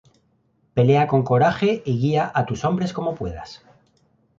Pelea con coraje y guía a tus hombres como puedas.